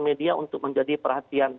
media untuk menjadi perhatian